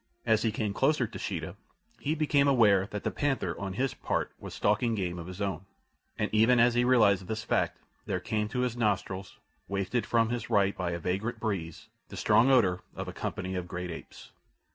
As he came closer to Sheeta he became aware that the panther on his part was stalking game of his own, and even as he realized this fact there came to his nostrils, wafted from his right by a vagrant breeze, the strong odour of a company of great apes.